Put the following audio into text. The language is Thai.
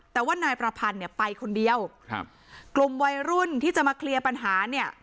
แต่ว่านายประพันธ์เนี่ยไปคนเดียวครับกลุ่มวัยรุ่นที่จะมาเคลียร์ปัญหาเนี่ย